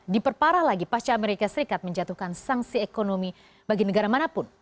diperparah lagi pasca amerika serikat menjatuhkan sanksi ekonomi bagi negara manapun